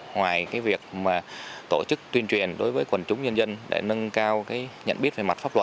ngoài việc tổ chức tuyên truyền đối với quần chúng nhân dân để nâng cao nhận biết về mặt pháp luật